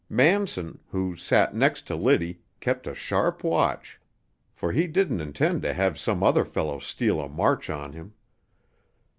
Manson, who sat next to Liddy, kept a sharp watch, for he didn't intend to have some other fellow steal a march on him.